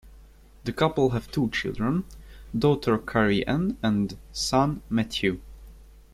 The couple have two children, daughter Carrie Ann and son Matthew.